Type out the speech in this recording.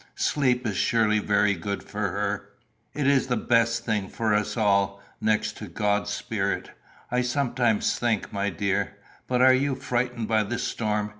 Sleep is surely very good for her." "It is the best thing for us all, next to God's spirit, I sometimes think, my dear. But are you frightened by the storm?